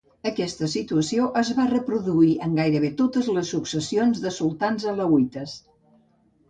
Aquesta situació es va reproduir en gairebé totes les successions de sultans alauites.